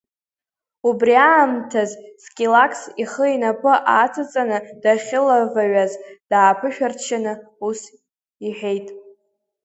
Убри аамҭаз Скилакс ихы инапы аҵаҵаны дахьлываҩаз дааԥышәарччаны ус иҳәеит…